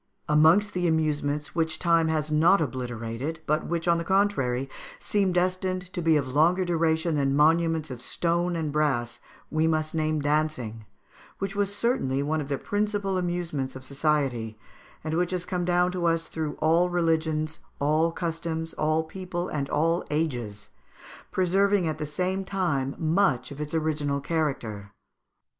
Amongst the amusements which time has not obliterated, but which, on the contrary, seem destined to be of longer duration than monuments of stone and brass, we must name dancing, which was certainly one of the principal amusements of society, and which has come down to us through all religions, all customs, all people, and all ages, preserving at the same time much of its original character.